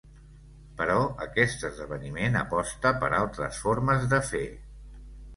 Però aquest esdeveniment aposta per altres formes de fer.